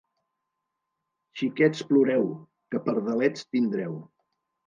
Xiquets ploreu, que pardalets tindreu.